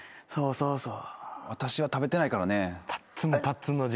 そうそう。